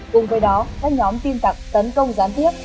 cùng với đó các nhóm tin tặc tấn công gián tiếp